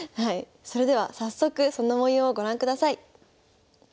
それでは早速その模様をご覧ください。